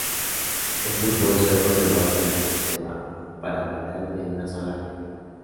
El fútbol sueco se basa en un sistema piramidal de una sola liga.